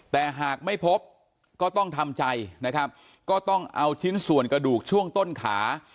แต่หากไม่พบก็ต้องทำใจนะครับก็ต้องเอาชิ้นส่วนกระดูกช่วงต้นขา